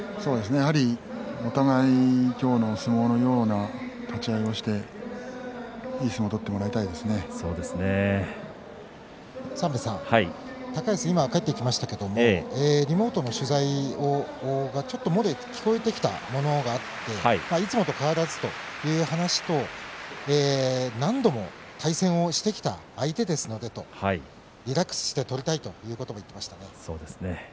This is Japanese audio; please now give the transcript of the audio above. お互い今日の相撲のような立ち合いをしていい相撲を高安が今帰ってきましたけれどもリモートでの取材が漏れ聞こえてきたものがあっていつもと変わらずという話と何度も対戦をしてきた相手ですのでとリラックスして取りたいということも言っていましたね。